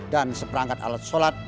dan seperangkat alat sholat